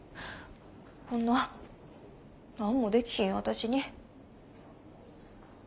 こんな何もできひん私に。